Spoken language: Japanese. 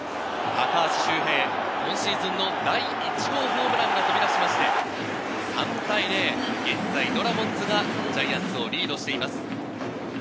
高橋周平、今シーズン第１号ホームランが飛び出して３対０、現在、ドラゴンズがジャイアンツをリードしています。